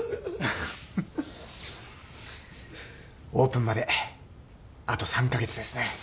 オープンまであと３カ月ですね。